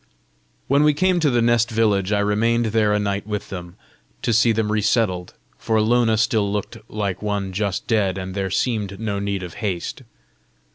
When we came to the nest village, I remained there a night with them, to see them resettled; for Lona still looked like one just dead, and there seemed no need of haste.